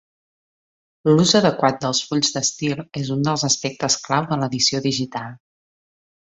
L'ús adequat dels fulls d'estil és un dels aspectes clau de l'edició digital.